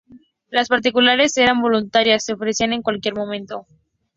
Las particulares eran voluntarias, se ofrecían en cualquier momento.